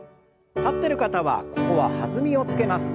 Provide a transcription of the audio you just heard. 立ってる方はここは弾みをつけます。